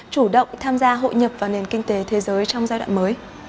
chủ động tham gia hội nhập vào nền kinh tế thế giới trong giai đoạn mới